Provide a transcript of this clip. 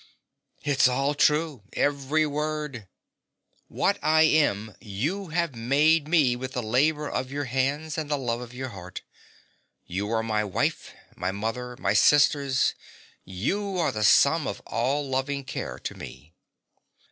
It's all true, every word. What I am you have made me with the labor of your hands and the love of your heart! You are my wife, my mother, my sisters: you are the sum of all loving care to me.